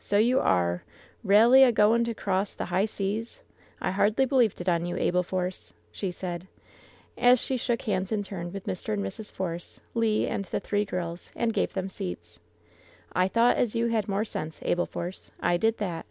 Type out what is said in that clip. "So you are ralely a going to cross the high seas ? I hardly believed it on you, Abel Force !" she said, as she shook hands in turn with Mr. and Mrs. Force, Le and the three girls, and gave them seats. "I thought as you had more sense, Abel Force ! I did that